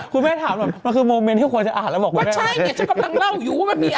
คุณแม่ถามมันคือโมเมนท์ที่ควรจะอ่านแล้วบอกคุณแม่